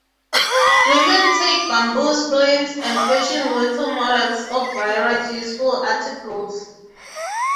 Women take bamboo splints and fashion little models of various useful articles.